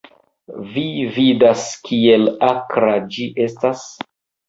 Vi vidas, kiel akra ĝi eŝtas?